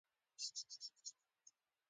وزن د ورځې سره بدلېدای شي.